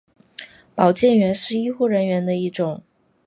保健员是医护人员的一种。